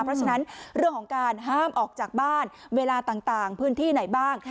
เพราะฉะนั้นเรื่องของการห้ามออกจากบ้านเวลาต่างพื้นที่ไหนบ้าง